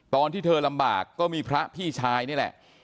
ตอนที่เธอลำบากก็มีพระพี่ชายนี่แหละ